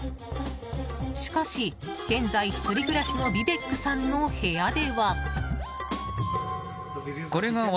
しかし、現在一人暮らしのビベックさんの部屋では。